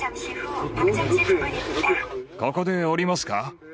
ここで降りますか？